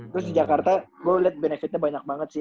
terus di jakarta gue lihat benefitnya banyak banget sih